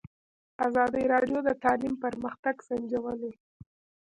ازادي راډیو د تعلیم پرمختګ سنجولی.